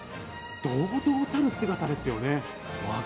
堂々たる姿ですよね。